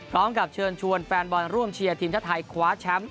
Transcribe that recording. พร้อมกับเชิญชวนแฟนบอลร่วมเชียร์ทีมชาติไทยคว้าแชมป์